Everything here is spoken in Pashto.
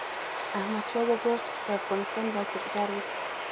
احمدشاه بابا د افغانستان بنسټګر و.